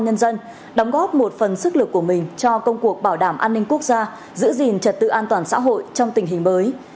nhân dân đóng góp một phần sức lực của mình cho công cuộc bảo đảm an ninh quốc gia giữ gìn trật tự an toàn xã hội trong tình hình mới